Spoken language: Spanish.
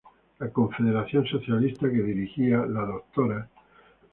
La Confederación Socialista que dirigía la Dra.